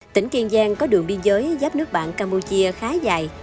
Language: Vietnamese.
tỉnh kiên giang có đường biên giới giáp nước bạn campuchia khá dài